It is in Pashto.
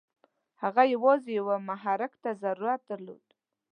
هغه یوازې یوه محرک ته ضرورت درلود.